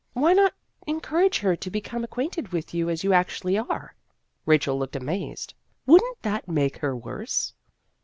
" Why not encourage her to become acquainted with you as you actually are?" Rachel looked amazed. " Would n't that make her worse